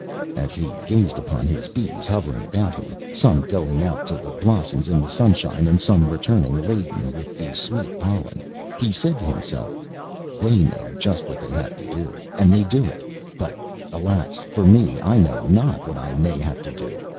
As he gazed upon his bees hovering about him, some going out to the blossoms in the sunshine, and some returning laden with the sweet pollen, he said to himself, "They know just what they have to do, and they do it; but alas for me! I know not what I may have to do.